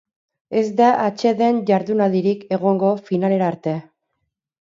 Ez da atseden-jardunaldirik egongo finalera arte.